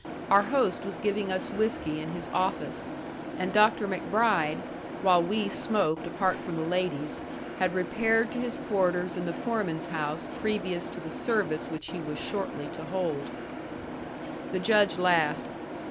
Our host was giving us whiskey in his office, and Dr. MacBride, while we smoked apart from the ladies, had repaired to his quarters in the foreman's house previous to the service which he was shortly to hold. The Judge laughed.